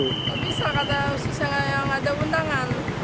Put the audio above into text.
bisa karena susahnya tidak ada undangan